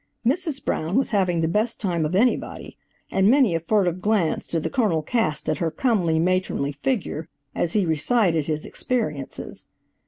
Mrs. Brown was having the best time of anybody, and many a furtive glance did the Colonel cast at her comely, matronly figure, as he recited his experiences.